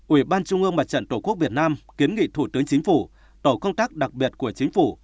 ủy ban trung ương mặt trận tổ quốc việt nam kiến nghị thủ tướng chính phủ tổ công tác đặc biệt của chính phủ